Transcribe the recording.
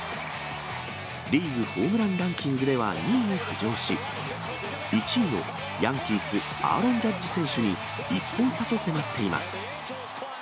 リーグホームランランキングでは２位に浮上し、１位のヤンキース、アーロン・ジャッジ選手に１本差と迫っています。